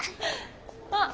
あっ。